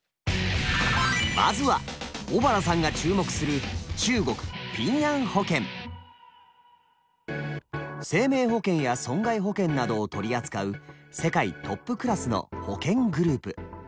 まずは尾原さんが注目する生命保険や損害保険などを取り扱う世界トップクラスの保険グループ。